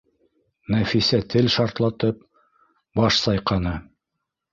Нәфисә тел шартлатып баш сайҡаны: